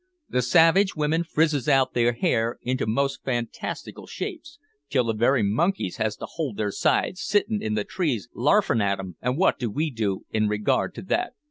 The savage women frizzes out their hair into most fantastical shapes, till the very monkeys has to hold their sides sittin' in the trees larfin' at 'em and wot do we do in regard to that?